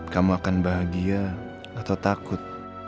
kamu akan bahagia atau takut